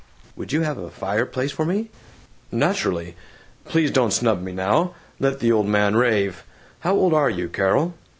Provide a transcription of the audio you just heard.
"Would you have a fireplace for me?" "Naturally! Please don't snub me now! Let the old man rave. How old are you, Carol?"